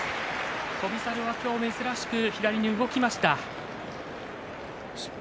翔猿は今日珍しく左に動きました。